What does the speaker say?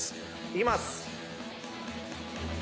いきます。